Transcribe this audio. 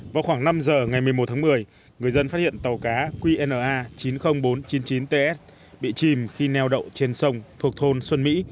vào khoảng năm giờ ngày một mươi một tháng một mươi người dân phát hiện tàu cá qna chín mươi nghìn bốn trăm chín mươi chín ts bị chìm khi neo đậu trên sông thuộc thôn xuân mỹ